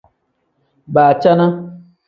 Baacana.